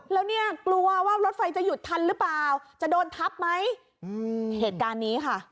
แล้วเนี่ยกลัวว่ารถไฟจะหยุดทันหรือเปล่าจะโดนทับไหมอืมเหตุการณ์นี้ค่ะ